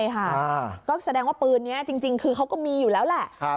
ใช่ค่ะก็แสดงว่าปืนนี้จริงคือเขาก็มีอยู่แล้วแหละ